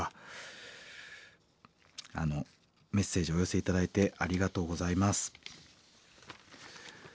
メッセージお寄せ頂いてありがとうございます。